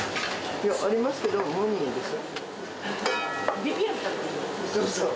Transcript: いや、ありますけど、モーニングでしょ？